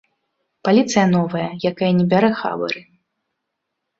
Паліцыя новая, якая не бярэ хабары.